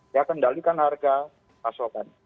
ya kendalikan harga pasokan